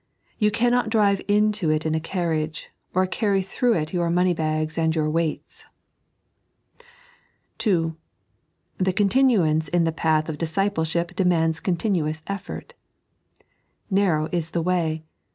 You cannot drive into it in a carriage, or carry through it your money bags and your weights. (2) The cotUmmmce in the path of dUmpiethip denumda amiimuwe effort. "Karrow is the way."